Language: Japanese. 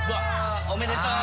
おめでとう！